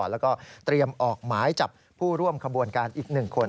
แล้วก็เตรียมออกหมายจับผู้ร่วมขบวนการอีก๑คน